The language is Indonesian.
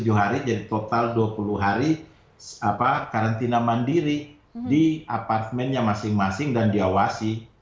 jadi total dua puluh hari karantina mandiri di apartemennya masing masing dan diawasi